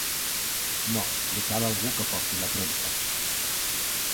No, li cal algú que porti la premsa.